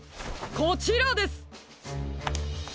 こちらです！